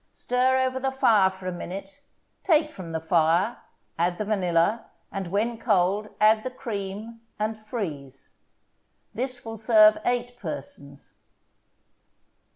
Stir over the fire for a minute, take from the fire, add the vanilla, and, when cold, add the cream, and freeze. This will serve eight persons.